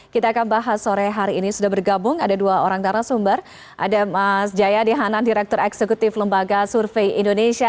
kita akan bahas sore hari ini sudah bergabung ada dua orang narasumber ada mas jayadi hanan direktur eksekutif lembaga survei indonesia